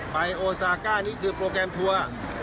โอซาก้านี่คือโปรแกรมทัวร์